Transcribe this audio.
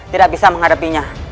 tidak bisa menghadapinya